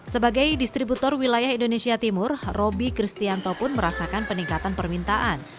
sebagai distributor wilayah indonesia timur roby kristianto pun merasakan peningkatan permintaan